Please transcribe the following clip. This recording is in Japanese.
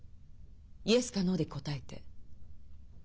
イエスかノーで答えて。